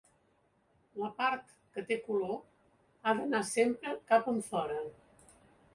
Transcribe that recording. La part que té color ha d’anar sempre cap enfora.